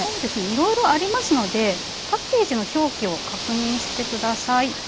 いろいろありますのでパッケージの表記を確認して下さい。